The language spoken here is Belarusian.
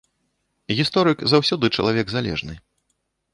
Гісторык заўсёды чалавек залежны.